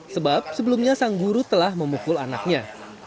sebab sebelumnya sang guru telah memukul anaknya